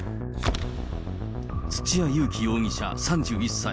土屋勇貴容疑者３１歳。